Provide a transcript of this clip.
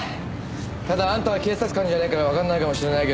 ただあんたは警察官じゃないからわかんないかもしれないけど。